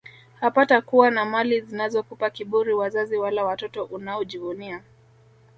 hapatakuwa na mali zinazokupa kiburi wazazi wala watoto unaojivunia